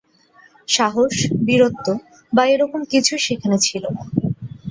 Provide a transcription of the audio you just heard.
সাহস, বীরত্ব বা এরকম কিছুই সেখানে ছিল না।